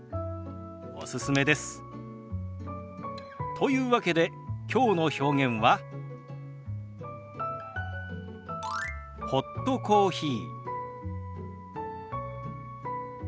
というわけできょうの表現は「ホットコーヒー」。